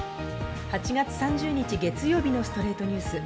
８月３０日、月曜日の『ストレイトニュース』。